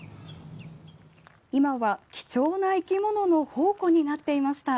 今は、貴重な生き物の宝庫になっていました。